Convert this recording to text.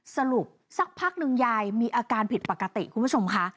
สรุปสักพักหนึ่งยายมีอาการผิดปกติคุณผู้ชมค่ะ